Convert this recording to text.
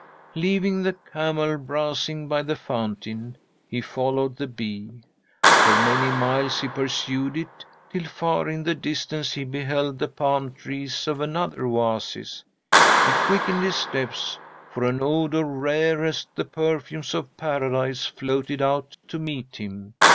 "'Leaving the camel browsing by the fountain, he followed the bee. For many miles he pursued it, till far in the distance he beheld the palm trees of another oasis. He quickened his steps, for an odour rare as the perfumes of Paradise floated out to meet him.